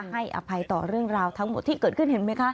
อภัยต่อเรื่องราวทั้งหมดที่เกิดขึ้นเห็นไหมคะ